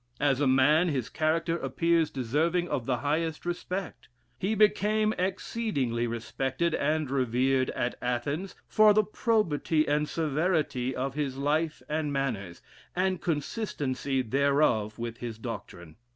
As a man, his character appears deserving of the highest respect. He became exceedingly respected and revered at Athens for the probity and severity of bis life and manners, and consistency thereof with his doctrine.